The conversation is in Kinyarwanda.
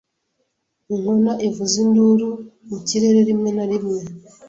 Inkona ivuza induru mu kirere rimwe na rimwe